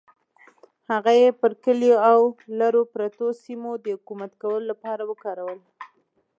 هغه یې پر کلیو او لرو پرتو سیمو د حکومت کولو لپاره وکارول.